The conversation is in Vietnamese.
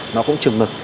nó cũng trừng ngực